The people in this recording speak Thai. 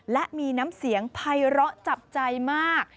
และมีน้ำเสียงภัยร้อจับใจมาก